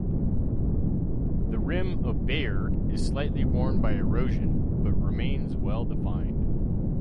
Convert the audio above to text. The rim of Bayer is slightly worn by erosion, but remains well-defined.